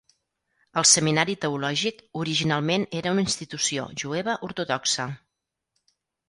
El seminari teològic, originalment era una institució jueva ortodoxa.